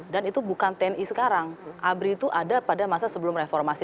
dan itu bukan tni sekarang abri itu ada pada masa sebelum reformasi